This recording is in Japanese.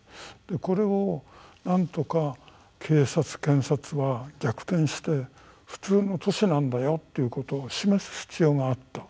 これをなんとか警察、検察は逆転して普通の都市なんだよということを示す必要があった。